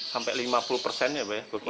sampai lima puluh persen ya pak ya